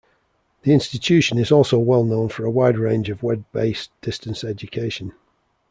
The institution is also well known for a wide range of web-based distance education.